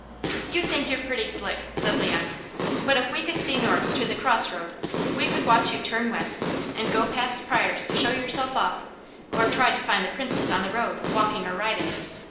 "You think you're pretty slick," said Leon. "But if we could see north to the cross road we could watch you turn west, and go past Pryors to show yourself off, or try to find the Princess on the road walking or riding.